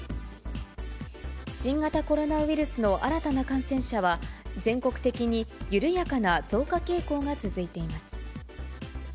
新型コロナウイルスの新たな感染者は、全国的に緩やかな増加傾向が続いています。